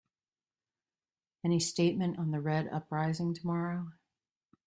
Any statement on the Red uprising tomorrow?